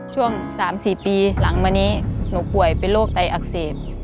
ช่วง๓๔ปีหลังมานี้หนูป่วยเป็นโรคไตอักเสบ